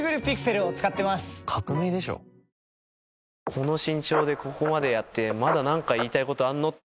この身長でここまでやってまだなんか言いたい事あるの？